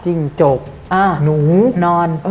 จริงจบหนูนอน